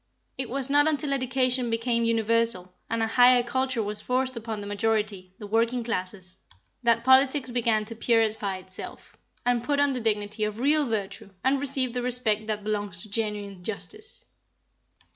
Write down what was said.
It was not until education became universal, and a higher culture was forced upon the majority the working classes that politics began to purify itself, and put on the dignity of real virtue, and receive the respect that belongs to genuine justice.